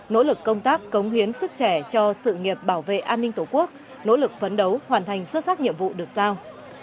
nỗ lực công tác cống hiến sức trẻ cho sự nghiệp bảo vệ an ninh tổ quốc nỗ lực phấn đấu hoàn thành xuất sắc nhiệm vụ được giao